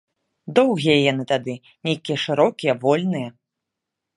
Доўгія яны тады, нейкія шырокія, вольныя.